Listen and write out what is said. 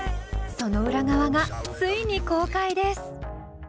その裏側がついに公開です。